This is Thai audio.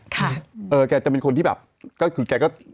ค่ะเออแกจะเป็นคนที่แบบก็คือแกก็